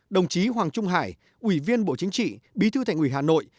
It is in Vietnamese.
đồng chí hoàng trung hải ủy viên bộ chính trị bí thư thành ủy hà nội